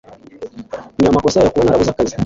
Ni amakosa yawe kuba narabuze akazi